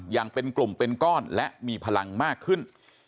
อย่างเป็นกลุ่มเป็นก้อนและมีพลังมากขึ้น